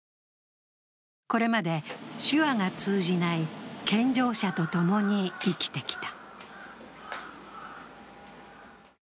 これまで手話が通じない健常者とともに生きてきた。